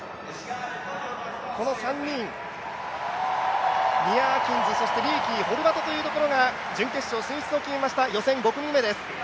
この３人、ニア・アキンズ、リーキ、ホルバトというところが準決勝進出を決めました、予選５組目です。